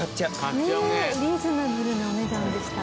ねえリーズナブルなお値段でした。